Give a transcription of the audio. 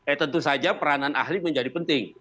eh tentu saja peranan ahli menjadi penting